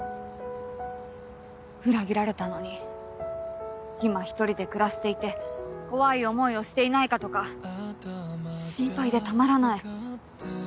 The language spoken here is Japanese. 裏切られたのに今１人で暮らしていて怖い思いをしていないかとか心配でたまらない。